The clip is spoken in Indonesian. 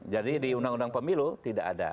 jadi di undang undang pemilu tidak ada